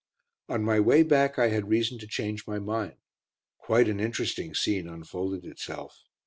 On my way back I had reason to change my mind. Quite an interesting scene unfolded itself.